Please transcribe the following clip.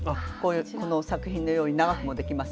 この作品のように長くもできます。